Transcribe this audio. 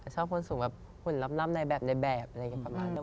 ชอบคนสูงแบบหุ่นล่ำในแบบในแบบอะไรอย่างนี้ประมาณนั้น